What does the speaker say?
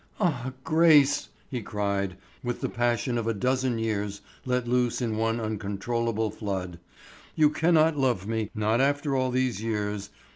"Ah, Grace," he cried, with the passion of a dozen years let loose in one uncontrollable flood, "you cannot love me, not after all these years.